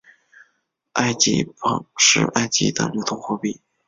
埃及镑是埃及的流通货币。